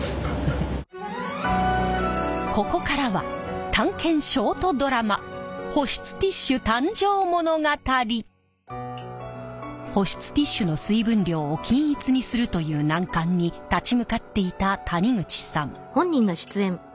ここからは探検ショートドラマ保湿ティッシュの水分量を均一にするという難関に立ち向かっていた谷口さん。